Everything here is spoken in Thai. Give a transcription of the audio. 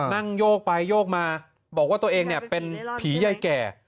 โยกไปโยกมาบอกว่าตัวเองเนี่ยเป็นผียายแก่